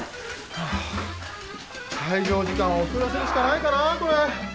はぁ開場時間遅らせるしかないかなあこれ。